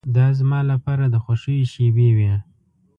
دا زما لپاره د خوښیو شېبې وې.